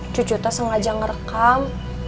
cucu tuh sengaja ngerekam